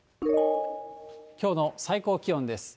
きょうの最高気温です。